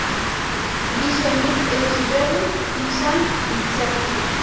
Bi soinu ezberdin izan ditzake.